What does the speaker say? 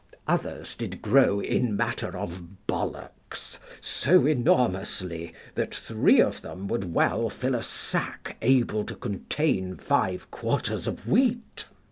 Others did grow in matter of ballocks so enormously that three of them would well fill a sack able to contain five quarters of wheat.